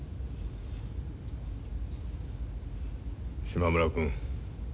島村君